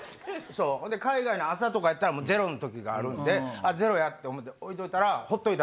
ほんで海外の朝とかやったらゼロの時があるんでゼロやと思って置いといたら放っといたらというか。